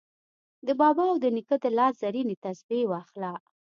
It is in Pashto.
د بابا او د نیکه د لاس زرینې تسپې واخله